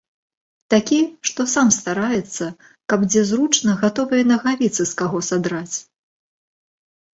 Такі, што сам стараецца, каб дзе зручна гатовыя нагавіцы з каго садраць.